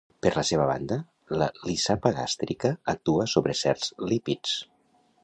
Per la seva banda, la lipasa gàstrica actua sobre certs lípids.